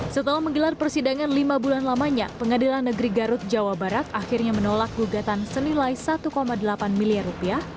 setelah menggelar persidangan lima bulan lamanya pengadilan negeri garut jawa barat akhirnya menolak gugatan senilai satu delapan miliar rupiah